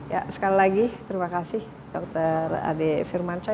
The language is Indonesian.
ya sekali lagi terima kasih dokter ade firmansyah